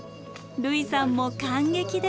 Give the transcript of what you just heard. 類さんも感激です。